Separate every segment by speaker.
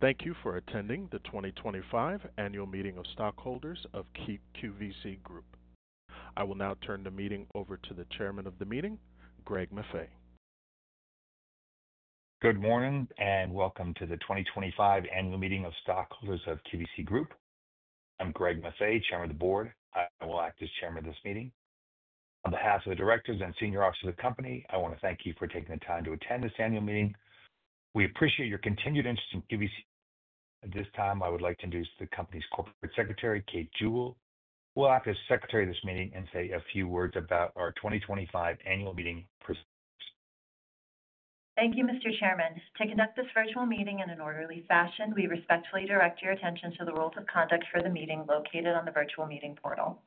Speaker 1: Thank you for attending the 2025 Annual Meeting of Stockholders of QVC Group. I will now turn the meeting over to the Chairman of the Meeting, Greg Maffei.
Speaker 2: Good morning and welcome to the 2025 Annual Meeting of Stockholders of QVC Group. I'm Greg Maffei, Chairman of the Board. I will act as Chairman of this meeting. On behalf of the Directors and Senior Officers of the Company, I want to thank you for taking the time to attend this Annual Meeting. We appreciate your continued interest in QVC. At this time, I would like to introduce the Company's Corporate Secretary, Kate Jewell. Who will act as Secretary of this meeting and say a few words about our 2025 Annual Meeting Proceedings.
Speaker 3: Thank you, Mr. Chairman. To conduct this virtual meeting in an orderly fashion, we respectfully direct your attention to the rules of conduct for the meeting located on the virtual meeting portal.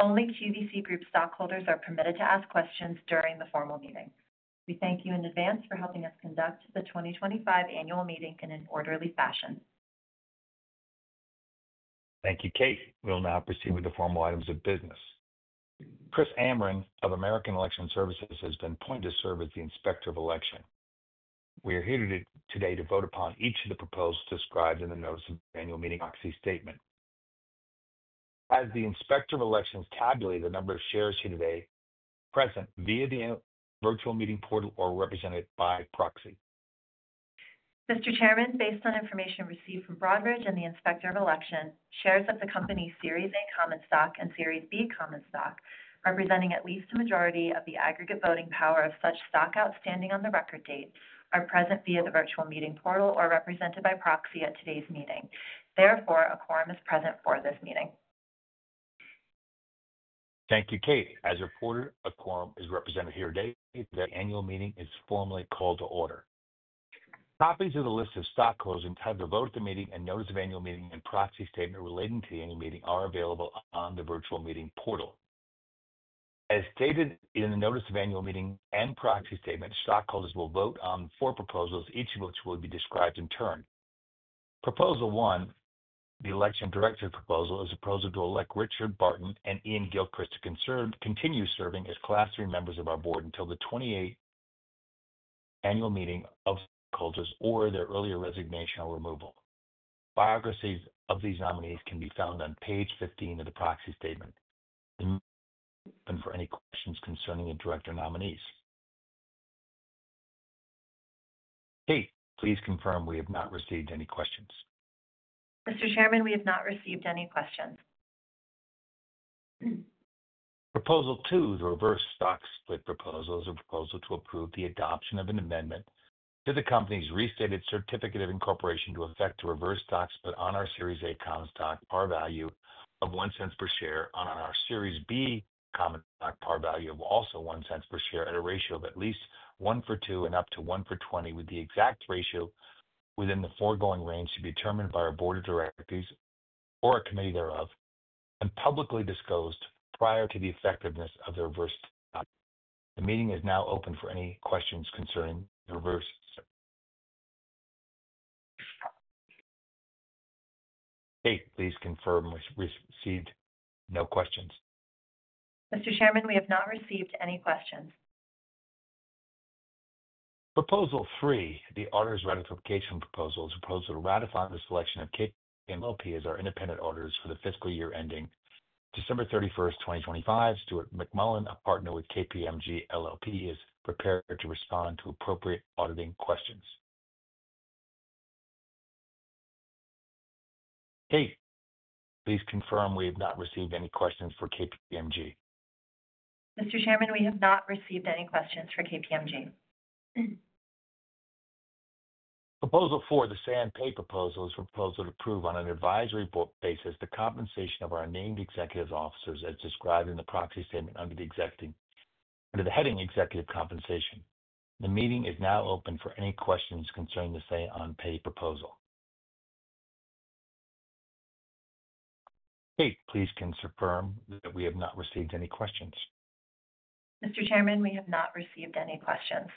Speaker 3: Only QVC Group stockholders are permitted to ask questions during the formal meeting. We thank you in advance for helping us conduct the 2025 Annual Meeting in an orderly fashion.
Speaker 2: Thank you, Kate. We'll now proceed with the formal items of business. Chris Amron of American Election Services has been appointed to serve as the Inspector of Election. We are here today to vote upon each of the proposals described in the Notice of the Annual Meeting Proxy Statement. Has the Inspector of Election tabulated the number of shares here today present via the virtual meeting portal or represented by proxy?
Speaker 3: Mr. Chairman, based on information received from Broadridge and the Inspector of Election, shares of the Company's Series A common stock and Series B common stock, representing at least a majority of the aggregate voting power of such stock outstanding on the record date, are present via the virtual meeting portal or represented by proxy at today's meeting. Therefore, a quorum is present for this meeting.
Speaker 2: Thank you, Kate. As a reporter, a quorum is represented here today. The Annual Meeting is formally called to order. Copies of the list of stock closing time to vote at the meeting and Notice of Annual Meeting and Proxy Statement relating to the Annual Meeting are available on the virtual meeting portal. As stated in the Notice of Annual Meeting and Proxy Statement, stockholders will vote on four proposals, each of which will be described in turn. Proposal One, the Election Director's Proposal, is a proposal to elect Richard Barton and Ian Gilchrist to continue serving as Class Three members of our Board until the 28th Annual Meeting of Stockholders or their earlier resignation or removal. Biographies of these nominees can be found on page 15 of the Proxy Statement. For any questions concerning the Director nominees? Kate, please confirm we have not received any questions?
Speaker 3: Mr. Chairman, we have not received any questions.
Speaker 2: Proposal Two, the reverse stock split proposal, is a proposal to approve the adoption of an amendment to the Company's restated certificate of incorporation to affect the reverse stock split on our Series A common stock par value of $0.01 per share on our Series B common stock par value of also $0.01 per share at a ratio of at least 1:2 and up to 1:20, with the exact ratio within the foregoing range to be determined by our Board of Directors or a committee thereof and publicly disclosed prior to the effectiveness of the reverse stock. The meeting is now open for any questions concerning the reverse stock split. Kate, please confirm we received no questions?
Speaker 3: Mr. Chairman, we have not received any questions.
Speaker 2: Proposal Three, the Auditor's Ratification Proposal, is a proposal to ratify the selection of KPMG LLP as our independent auditors for the fiscal year ending December 31, 2025. Stuart McMullen, a partner with KPMG LLP, is prepared to respond to appropriate auditing questions. Kate, please confirm we have not received any questions for KPMG?
Speaker 3: Mr. Chairman, we have not received any questions for KPMG.
Speaker 2: Proposal Four, the Say-on-Pay Proposal, is a proposal to approve on an advisory basis the compensation of our named executive officers as described in the Proxy Statement under the heading Executive Compensation. The meeting is now open for any questions concerning the Say-on-Pay Proposal. Kate, please confirm that we have not received any questions?
Speaker 3: Mr. Chairman, we have not received any questions.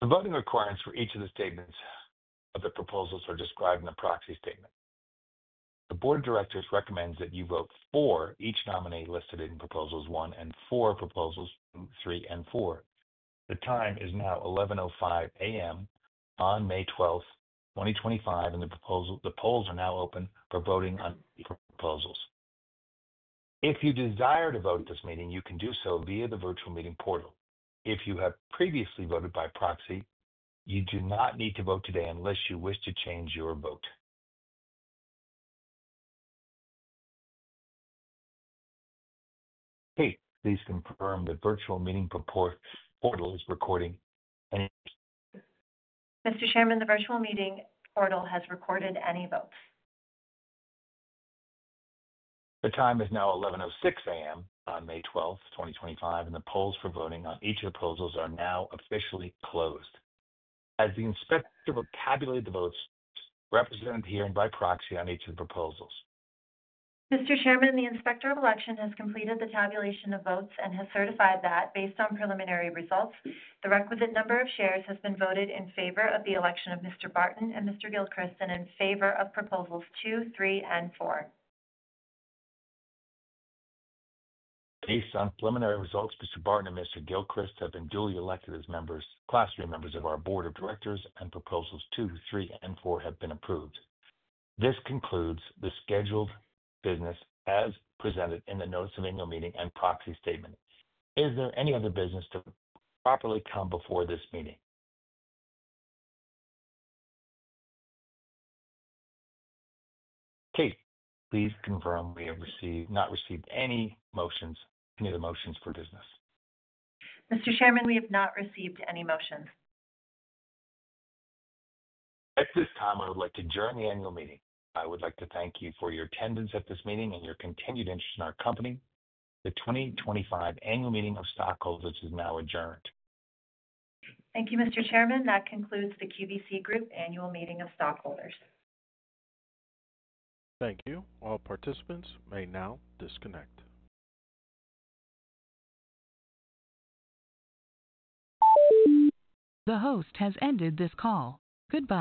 Speaker 2: The voting requirements for each of the statements of the proposals are described in the Proxy Statement. The Board of Directors recommends that you vote for each nominee listed in Proposals One and for Proposals Three and Four. The time is now 11:05 A.M. on May 12, 2025, and the polls are now open for voting on proposals. If you desire to vote at this meeting, you can do so via the virtual meeting portal. If you have previously voted by proxy, you do not need to vote today unless you wish to change your vote. Kate, please confirm the virtual meeting portal is recording and any questions?
Speaker 3: Mr. Chairman, the virtual meeting portal has recorded any votes.
Speaker 2: The time is now 11:06 A.M. on May 12, 2025, and the polls for voting on each of the proposals are now officially closed. Has the Inspector of Election tabulated the votes represented here by proxy on each of the proposals?
Speaker 3: Mr. Chairman, the Inspector of Election has completed the tabulation of votes and has certified that based on preliminary results, the requisite number of shares has been voted in favor of the election of Mr. Barton and Mr. Gilchrist and in favor of Proposals Two, Three, and Four.
Speaker 2: Based on preliminary results, Mr. Barton and Mr. Gilchrist have been duly elected as Class Three members of our Board of Directors, and Proposals Two, Three, and Four have been approved. This concludes the scheduled business as presented in the Notice of Annual Meeting and Proxy Statement. Is there any other business to properly come before this meeting? Kate, please confirm we have not received any motions for business?
Speaker 3: Mr. Chairman, we have not received any motions.
Speaker 2: At this time, I would like to adjourn the Annual Meeting. I would like to thank you for your attendance at this meeting and your continued interest in our Company. The 2025 Annual Meeting of Stockholders is now adjourned.
Speaker 3: Thank you, Mr. Chairman. That concludes the QVC Group Annual Meeting of Stockholders.
Speaker 1: Thank you. All participants may now disconnect. The host has ended this call. Goodbye.